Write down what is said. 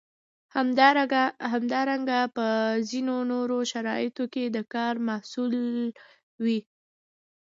همدارنګه په ځینو نورو شرایطو کې د کار محصول وي.